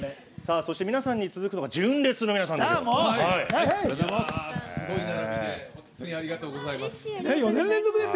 そして、皆さんに続くのが純烈の皆さんです。